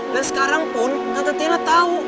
dan sekarang pun tante tiana tahu